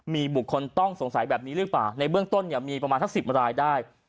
มีบุคคลต้องสงสัยแบบนี้หรือเปล่าในเบื้องต้นเนี่ยมีประมาณสัก๑๐รายได้